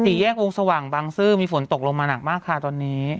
แยกวงสว่างบางซื่อมีฝนตกลงมาหนักมากค่ะตอนนี้